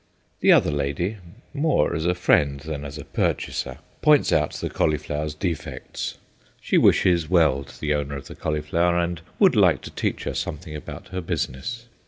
The other lady, more as a friend than as a purchaser, points out the cauliflower's defects. She wishes well to the owner of the cauliflower, and would like to teach her something about her business.